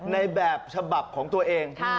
ในแบบฉบับของตัวเอง